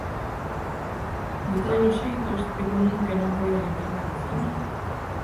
De todos os xeitos é común que non poidan entrar na cociña.